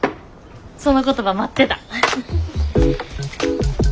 その言葉待ってた！